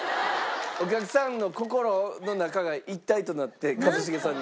お客さんの心の中が一体となって一茂さんに。